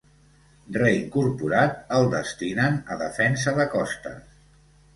Reincorporat, el destinen a Defensa de Costes.